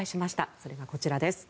それがこちらです。